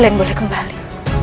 kalian boleh kembali